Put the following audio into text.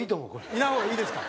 いない方がいいですか？